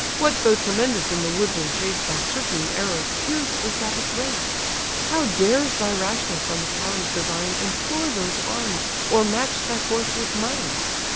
What though tremendous in the woodland chase Thy certain arrows pierce the savage race? How dares thy rashness on the powers divine Employ those arms, or match thy force with mine?